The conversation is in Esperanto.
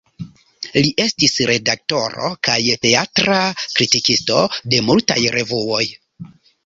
Li estis redaktoro kaj teatra kritikisto de multaj revuoj.